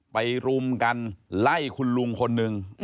รุมกันไล่คุณลุงคนหนึ่ง